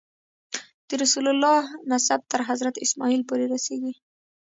د رسول الله نسب تر حضرت اسماعیل پورې رسېږي.